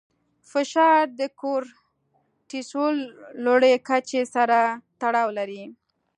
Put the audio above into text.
فشار د کورټیسول لوړې کچې سره تړاو لري.